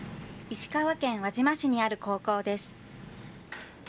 石川県輪島市にある高校です。